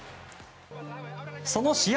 その試合